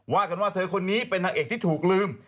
ว่ากันว่าเธอคนนี้เป็นนางเอกที่ถูกลืม